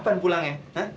bukan pulang ya